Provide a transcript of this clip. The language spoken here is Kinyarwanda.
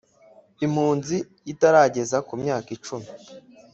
Impunzi itarageza ku myaka cumi